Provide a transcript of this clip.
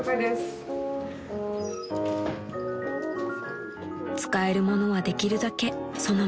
［使えるものはできるだけそのままで］